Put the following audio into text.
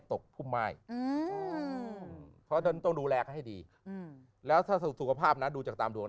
ตกพุ่มไม้ต้องดูแลให้ดีแล้วถ้าสุขภาพนั้นดูจากตามดวง